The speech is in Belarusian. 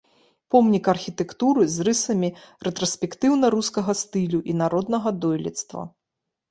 Помнік архітэктуры з рысамі рэтраспектыўна-рускага стылю і народнага дойлідства.